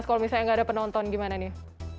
kalau misalnya nggak ada penonton gimana nih